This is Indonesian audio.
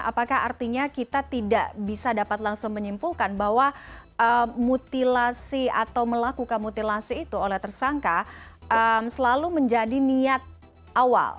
apakah artinya kita tidak bisa dapat langsung menyimpulkan bahwa mutilasi atau melakukan mutilasi itu oleh tersangka selalu menjadi niat awal